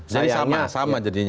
jadi sama sama jadinya